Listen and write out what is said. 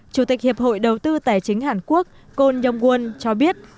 chủ tịch hiệp hội đầu tư tài chính hàn quốc côn nhâm quân cho biết